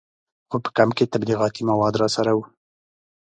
خو په کمپ کې تبلیغاتي مواد راسره وو.